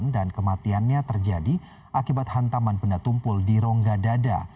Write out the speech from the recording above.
dan kematiannya terjadi akibat hantaman benda tumpul di rongga dada